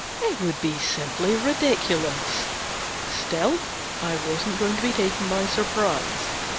It would be simply ridiculous. Still, I wasn't going to be taken by surprise.